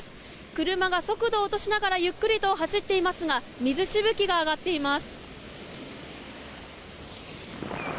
車が速度を落としながらゆっくりと走っていますが水しぶきが上がっています。